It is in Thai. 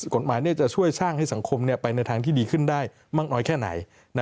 กฎหมายจะช่วยสร้างให้สังคมไปในทางที่ดีขึ้นได้มากน้อยแค่ไหน